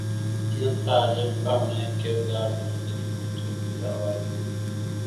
نه طالب او نه یې کردار د مدني کلتور پيداوار دي.